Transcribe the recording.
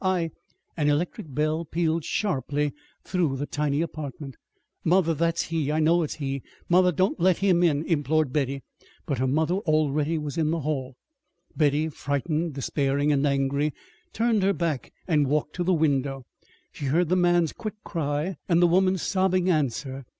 I " An electric bell pealed sharply through the tiny apartment. "Mother, that's he! I know it's he! Mother, don't let him in," implored Betty. But her mother already was in the hall. Betty, frightened, despairing, and angry, turned her back and walked to the window. She heard the man's quick cry and the woman's sobbing answer.